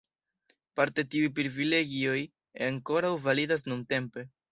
Parte tiuj privilegioj ankoraŭ validas nuntempe.